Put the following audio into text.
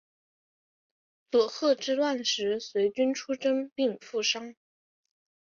佐贺之乱时随军出征并负伤。